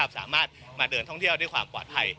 สามารถมาเดินท่องเที่ยวด้วยความปลอดภัย